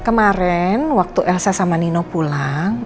kemarin waktu elsa sama nino pulang